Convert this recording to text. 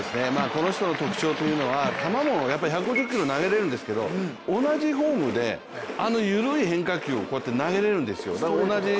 この人の特徴というのは球も１５０キロ投げれるんですけど同じフォームであの緩い変化球をこうやって投げられるんですよ。